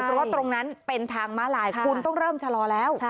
เพราะตรงนั้นเป็นทางม้าลายคุณต้องเริ่มชะลอแล้ว